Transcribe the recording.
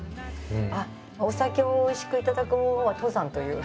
あっお酒をおいしく頂く方法は登山という。